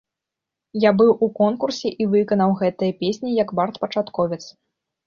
Я быў у конкурсе і выканаў гэтыя песні як бард-пачатковец.